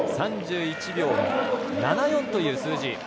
３１秒７４という数字。